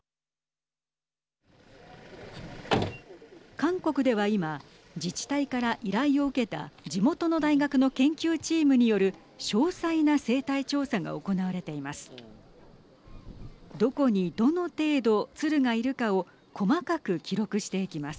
韓国では今自治体から依頼を受けた地元の大学の研究チームによる詳細な生態調査が行われています。